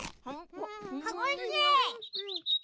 おいしい！